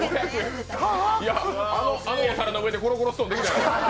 あのお皿の上で「コロコロストーン」できないかな？